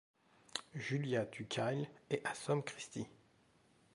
Julia tue Kyle et assomme Kristy.